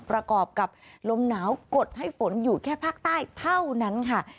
ประกอบกับลมหนาวกดให้ฝนอยู่แค่ภาคใต้เท่านั้นค่ะ